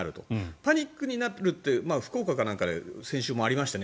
パニックになるって福岡か何かで先週もありましたね。